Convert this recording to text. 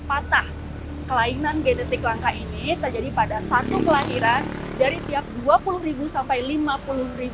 patah kelainan genetik langka ini terjadi pada satu kelahiran dari tiap dua puluh sampai lima puluh